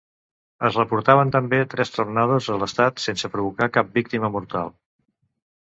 Es reportaven també tres tornados a l'estat sense provocar cap víctima mortal.